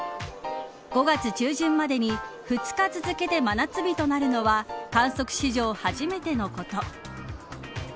５月中旬までに２日続けて真夏日となるのは観測史上初めてのこと。